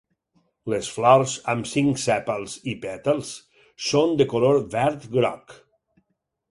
Les flors, amb cinc sèpals i pètals, són de color verd groc.